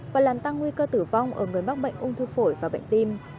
và làm tăng nguy cơ tử vong ở người mắc bệnh ung thư phổi và bệnh tim